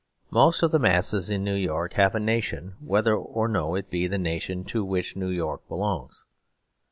Most of the masses in New York have a nation, whether or no it be the nation to which New York belongs.